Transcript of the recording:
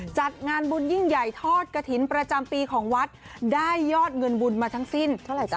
จัดงานบุญยิ่งใหญ่ทอดกระถิ่นประจำปีของวัดได้ยอดเงินบุญมาทั้งสิ้นเท่าไหร่จ๊